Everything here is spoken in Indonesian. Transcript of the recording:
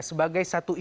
sebagai satu ide kan